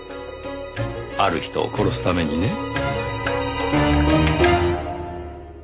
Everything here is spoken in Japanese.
ある人を殺すためにね。